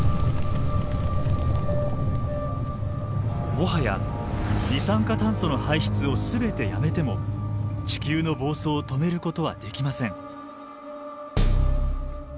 もはや二酸化炭素の排出を全てやめても地球の暴走を止めることはできません。